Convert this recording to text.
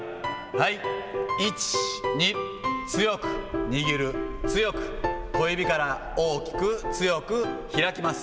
はい、１、２、強く握る、強く、小指から大きく、強く開きます。